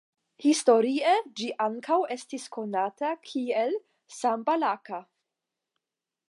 Historie ĝi ankaŭ estis konata kiel "Sambalaka".